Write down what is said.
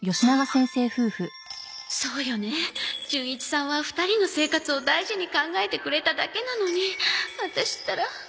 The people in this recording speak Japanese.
そうよね純一さんは２人の生活を大事に考えてくれただけなのにワタシったら